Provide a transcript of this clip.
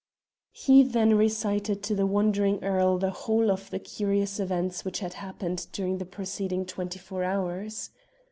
He then recited to the wondering earl the whole of the curious events which had happened during the preceding twenty four hours.